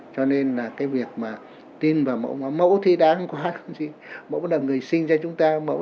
cho nên là cái việc mà tin vào mẫu mà mẫu thi đáng quá gì mẫu là người sinh cho chúng ta mẫu